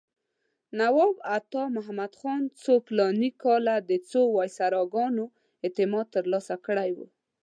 نواب عطامحمد خان څو فلاني کاله د څو وایسراګانو اعتماد ترلاسه کړی و.